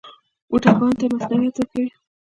بوډاګانو ته مصوونیت ورکوي.